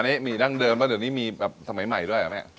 อันนี้มีดั้งเดิมแล้วเดี๋ยวนี้มีแบบสมัยใหม่ด้วยเหรอแม่